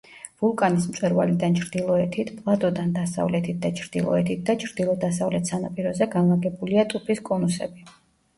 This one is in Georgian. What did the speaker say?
ვულკანის მწვერვალიდან ჩრდილოეთით, პლატოდან დასავლეთით და ჩრდილოეთით და ჩრდილო-დასავლეთ სანაპიროზე განლაგებულია ტუფის კონუსები.